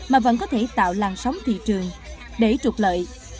mà vẫn có thể tạo làn sóng thị trường để trục lợi